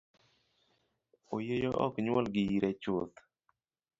Oyieyo ok nyuol gi yire chuth.